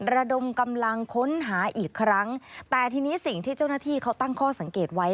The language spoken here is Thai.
ระดมกำลังค้นหาอีกครั้งแต่ทีนี้สิ่งที่เจ้าหน้าที่เขาตั้งข้อสังเกตไว้